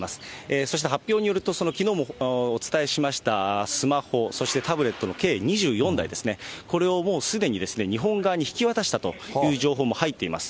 そして発表によると、そのきのうもお伝えしました、スマホ、そしてタブレットの計２４台ですね、これをもうすでにですね、日本側に引き渡したという情報も入っています。